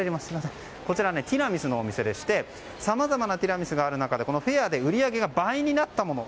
ティラミスのお店でしてさまざまなティラミスがある中でフェアで売り上げが倍になったもの